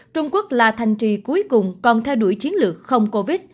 trung quốc là thành trì cuối cùng còn theo đuổi chiến lược không covid